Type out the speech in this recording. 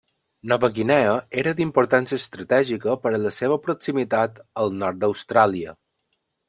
Nova Guinea era d'importància estratègica per la seva proximitat al nord d'Austràlia.